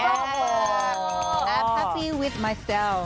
แอปแฮปฮัฟฟีวิทมายเซลฟ